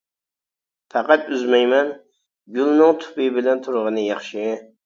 پەقەت ئۈزمەيمەن، گۈلنىڭ تۇپى بىلەن تۇرغىنى ياخشى.